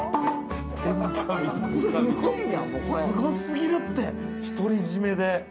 すごすぎるって、独り占めで。